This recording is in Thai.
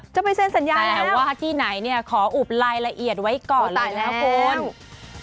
จะไปเซ็นสัญญาแล้วว่าที่ไหนเนี่ยขออุบรายละเอียดไว้ก่อนแล้วคุณ